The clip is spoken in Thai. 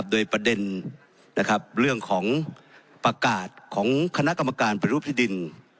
โดยประเด็นเรื่องของประกาศของคณะกรรมการปฏิรูปที่ดิน